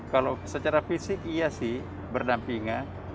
kalau secara fisik iya sih berdampingan